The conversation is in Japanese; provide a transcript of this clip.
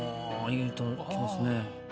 いい歌きますね。